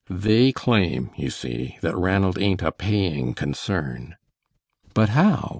They claim, you see, that Ranald ain't a paying concern." "But how?"